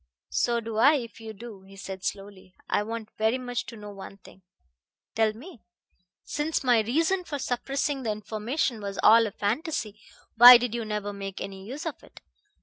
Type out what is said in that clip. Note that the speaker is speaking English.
"So do I, if you do," he said slowly. "I want very much to know one thing." "Tell me." "Since my reason for suppressing that information was all a fantasy, why did you never make any use of it?